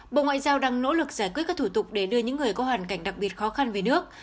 bộ ngoại giao đang nỗ lực giải quyết các thủ tục để đưa những người có hoàn cảnh đặc biệt khó khăn về nước